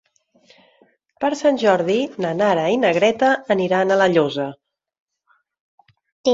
Per Sant Jordi na Nara i na Greta aniran a La Llosa.